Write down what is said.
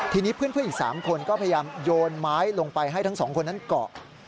ทีนี้เพื่อนอีก๓คนก็พยายามโยนไม้ลงไปให้ทั้งสองคนนั้นเกาะ